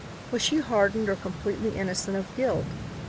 Was she hardened or completely innocent of guilt?